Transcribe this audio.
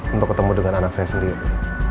untuk ketemu dengan anak saya sendiri